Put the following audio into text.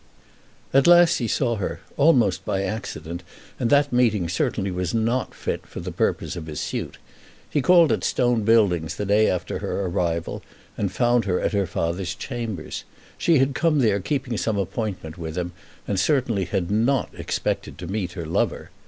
At last he saw her, almost by accident, and that meeting certainly was not fit for the purpose of his suit. He called at Stone Buildings the day after her arrival, and found her at her father's chambers. She had come there keeping some appointment with him, and certainly had not expected to meet her lover.